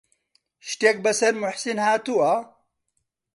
شتێک بەسەر موحسین هاتووە؟